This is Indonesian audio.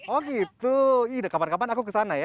oh gitu ide kapan kapan aku kesana ya